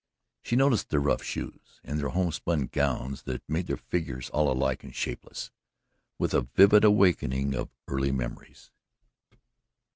She noticed their rough shoes and their homespun gowns that made their figures all alike and shapeless, with a vivid awakening of early memories.